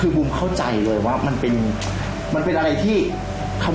เลยหนูมันอยากจะแบบว่าอยากกินหมูประทะวิวเข่า